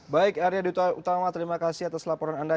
baik arya dutama terima kasih atas laporan anda